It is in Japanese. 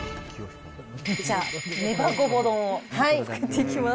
じゃあ、ねばごぼ丼を作っていきます。